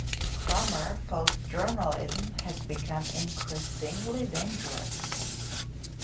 Cramer felt journalism had become increasingly dangerous.